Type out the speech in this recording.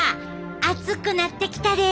熱くなってきたで。